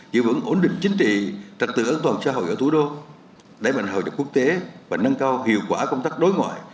giữ vững ổn định chính trị trật tự ẩn toàn xã hội ở thủ đô đẩy mạnh hội nhập quốc tế và nâng cao hiệu quả công tác đối ngoại